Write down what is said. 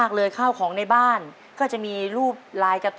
ขอเชิญแสงเดือนมาต่อชีวิตเป็นคนต่อไปครับ